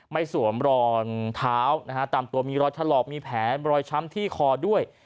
สวมรองเท้านะฮะตามตัวมีรอยถลอกมีแผลรอยช้ำที่คอด้วย